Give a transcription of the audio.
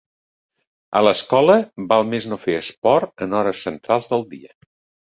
A l'escola val més no fer esport en hores centrals del dia.